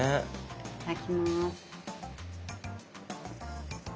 いただきます。